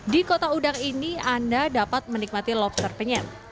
di kota udang ini anda dapat menikmati lobster penyem